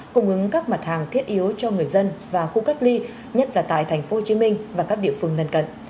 cung ứng các mặt hàng thiết yếu cho người dân và khu cách ly nhất là tại thành phố hồ chí minh và các địa phương gần cận